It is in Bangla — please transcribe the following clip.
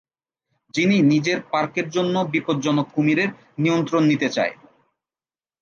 যিনি নিজের পার্কের জন্য বিপজ্জনক কুমিরের নিয়ন্ত্রণ নিতে চায়।